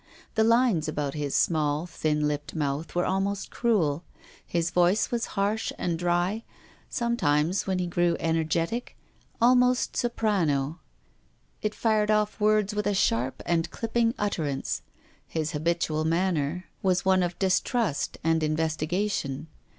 The lines about his small, thin lipped mouth were almost cruel. His voice was harsh and dry, sometimes, when he grew energetic, al most soprano. It fired off words with a sharp and clipping utterance. His hal)ilual manner was one of distrust and investigation.